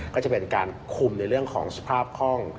ก็จะเป็นการคุมในเรื่องของสภาพคล่อง